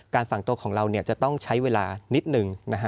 การฝังตัวของเราเนี่ยจะต้องใช้เวลานิดหนึ่ง